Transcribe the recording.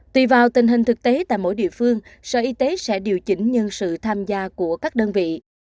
tùy vào tình hình thực tế tại mỗi địa phương sở y tế sẽ điều chỉnh nhân sự tham gia của các đơn vị